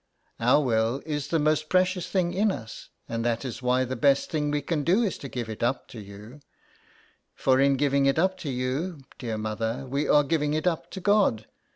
" Our will is the most precious thing in us, and that is why the best thing we can do is to give it up to you, for in giving it up to you, dear mother, we are giving it up to God.